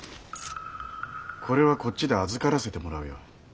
これはこっちで預からせてもらうよ。